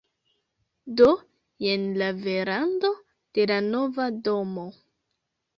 Do, jen la verando de la nova domo